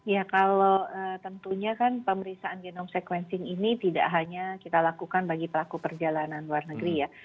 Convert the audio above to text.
ya kalau tentunya kan pemeriksaan genom sequencing ini tidak hanya kita lakukan bagi pelaku perjalanan warna gelap